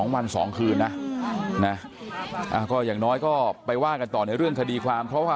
วัน๒คืนนะก็อย่างน้อยก็ไปว่ากันต่อในเรื่องคดีความเพราะว่า